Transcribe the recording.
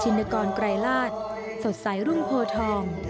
นกรไกรลาศสดใสรุ่งโพทอง